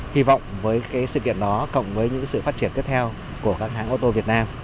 hy vọng với sự kiện đó cộng với những sự phát triển tiếp theo của các hãng ô tô việt nam